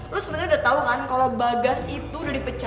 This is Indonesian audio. lo sebenernya udah tau kan kalo bagas itu udah dipecat